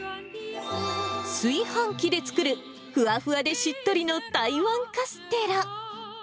炊飯器で作るふわふわでしっとりの台湾カステラ。